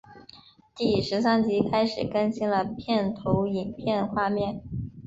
从第十三集开始更新了片头影片画面。